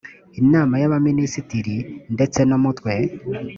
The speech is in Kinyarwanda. inama y abaminisitiri ndetse n umutwe